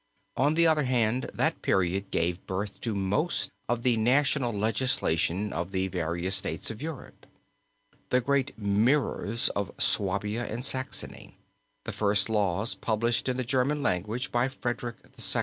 On the other hand, that period gave birth to most of the national legislation of the various states of Europe; the great Mirrors of Swabia and Saxony, the first laws published in the German language by Frederick II.